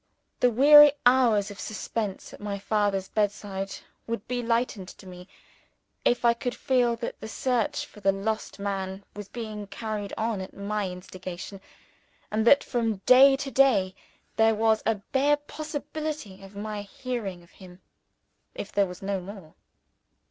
The weary hours of suspense at my father's bedside would be lightened to me, if I could feel that the search for the lost man was being carried on at my instigation, and that from day to day there was a bare possibility of my hearing of him, if there was no more.